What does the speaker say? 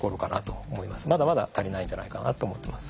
まだまだ足りないんじゃないかなと思ってます。